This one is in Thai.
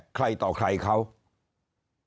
จะรู้เลยครับว่าหมอระดับผู้อำนวยการคนนี้ทำตัวหน้าตำนีจริง